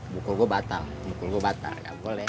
bukul gue batal bukul gue batal enggak boleh